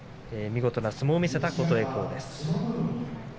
見事な相撲を見せた琴恵光です。